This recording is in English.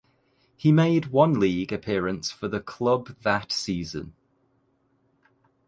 He made one league appearance for the club that season.